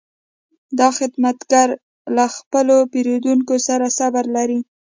دا خدمتګر له خپلو پیرودونکو سره صبر لري.